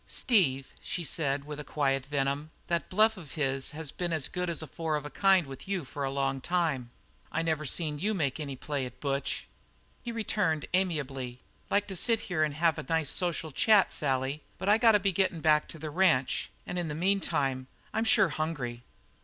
"Steve," she said, with a quiet venom, "that bluff of his has been as good as four of a kind with you for a long time. I never seen you make any play at Butch." He returned amiably: "Like to sit here and have a nice social chat, Sally, but I got to be gettin' back to the ranch, and in the meantime, I'm sure hungry."